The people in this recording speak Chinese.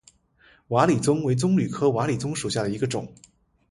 瓦理棕为棕榈科瓦理棕属下的一个种。